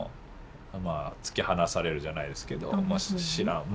まあ突き放されるじゃないですけど。